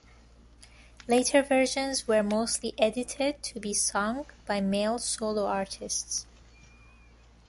Later versions were mostly edited to be sung by male solo artists.